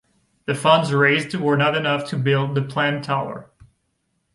The funds raised were not enough to build the planned tower.